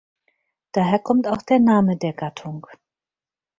Daher kommt auch der Name der Gattung.